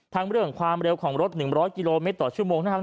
เรื่องความเร็วของรถ๑๐๐กิโลเมตรต่อชั่วโมงนะครับ